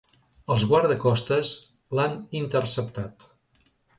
Els guardacostes l’han interceptat.